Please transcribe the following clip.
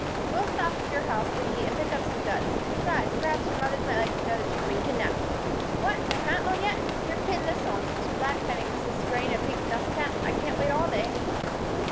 "We'll stop at your houses," said he, "and pick up some duds. Besides, perhaps your mothers might like to know that you've been kidnaped. What! no hat on yet? Here, pin this on," said Mr. Black, handing Mrs. Crane a pink dust cap. "I can't wait all day."